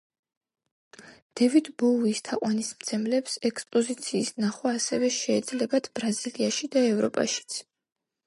დევიდ ბოუის თაყვანისმცემლებს ექსპოზიციის ნახვა ასევე შეეძლებათ ბრაზილიაში და ევროპაშიც.